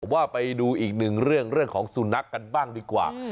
ว่าไปดูอีกหนึ่งเรื่องของสุนัขกันบ้างดีกว่า